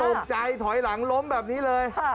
ตกใจถอยหลังล้มแบบนี้เลย